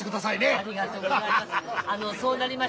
ありがとうございます。